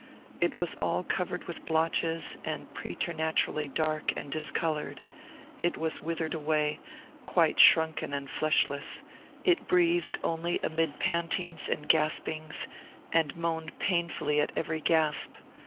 It was all covered with blotches, and preternaturally dark and discolored; it was withered away, quite shrunken and fleshless; it breathed only amid pantings and gaspings, and moaned painfully at every gasp.